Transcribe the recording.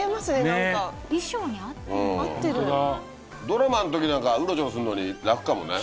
ドラマの時なんかうろちょろするのに楽かもね。